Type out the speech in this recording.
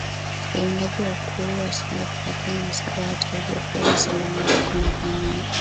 uwindaji na kuua simba Thelathini na saba Hata hivyo kuua simba mmoja kuna thamani